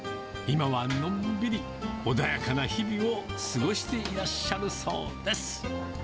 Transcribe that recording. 今はのんびり、穏やかな日々を過ごしていらっしゃるそうです。